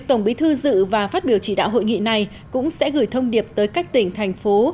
tổng bí thư dự và phát biểu chỉ đạo hội nghị này cũng sẽ gửi thông điệp tới các tỉnh thành phố